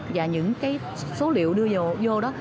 và những cái số liệu đưa vô đó